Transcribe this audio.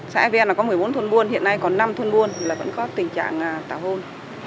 xã e ven là có một mươi bốn thôn buôn hiện nay còn năm thôn buôn là vẫn có tình trạng tàu hôn